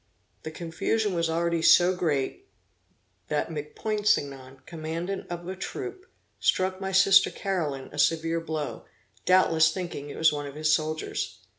The confusion was already so great, that McPoinsignon, commandant of a troop, struck my sister Caroline a severe blow, doubtless thinking it was one of his soldiers.